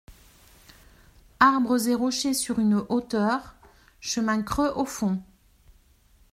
Arbres et rochers sur une hauteur. — Chemin creux au fond.